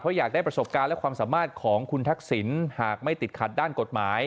อยากได้ประสบการณ์และความสามารถของคุณทักษิณหากไม่ติดขัดด้านกฎหมาย